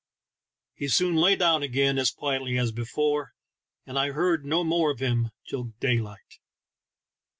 He soon lay down again as quietly as before, and I heard no more of him till daylight.